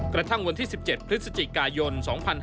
กระทั่งวันที่๑๗พฤศจิกายน๒๕๕๙